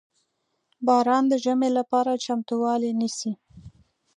• باران د ژمي لپاره چمتووالی نیسي.